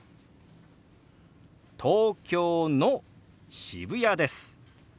「東京の渋谷です」。